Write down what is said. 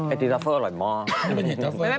ไอติมทรัฟเฟิลอร่อยมาก